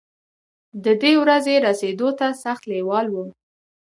ددې ورځې رسېدو ته سخت لېوال وم.